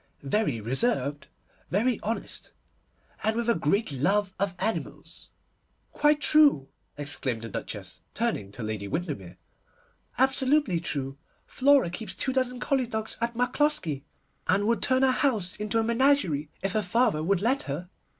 Very reserved, very honest, and with a great love of animals.' 'Quite true!' exclaimed the Duchess, turning to Lady Windermere, 'absolutely true! Flora keeps two dozen collie dogs at Macloskie, and would turn our town house into a menagerie if her father would let her.